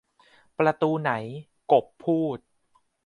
'ประตูไหน ?' กบพูด